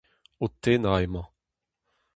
O tenañ emañ.